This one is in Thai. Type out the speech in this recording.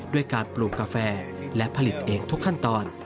ด้วยการปลูกกาแฟและผลิตเองทุกขั้นตอน